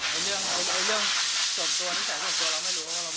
เรื่องส่วนตัวแฟนส่วนตัวเราไม่รู้เราไม่ได้อยู่กับเขานะ